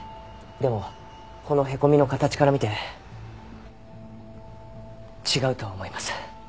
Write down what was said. でもこのへこみの形から見て違うと思います。